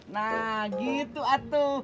nah gitu atu